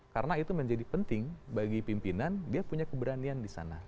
karena itu menjadi penting bagi pimpinan dia punya keberanian di sana